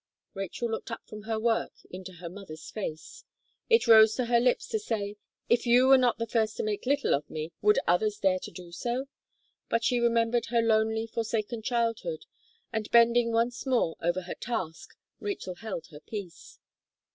Rachel looked up from her work into her mother's face. It rose to her lips to say "If you were not the first to make little of me, would others dare to do so?" but she remembered her lonely forsaken childhood, and bending once more over her task, Rachel held her peace.